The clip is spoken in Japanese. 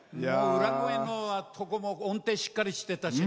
裏声のところも音程しっかりしてたし。